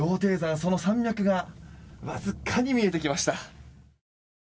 その山脈がわずかに見えてきました。